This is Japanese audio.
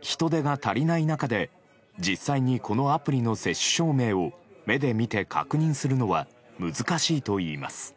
人手が足りない中で実際に、このアプリの接種証明を目で見て確認するのは難しいといいます。